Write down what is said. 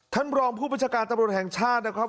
ท่านบรองผู้ประชาการตบรุษแห่งชาตินะครับ